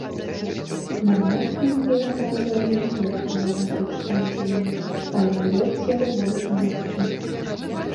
На мяса імбір аказвае не толькі араматычнае дзеянне, але і робіць яго больш мяккім.